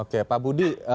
oke pak budi